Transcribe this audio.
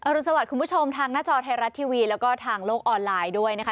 รุนสวัสดิ์คุณผู้ชมทางหน้าจอไทยรัฐทีวีแล้วก็ทางโลกออนไลน์ด้วยนะคะ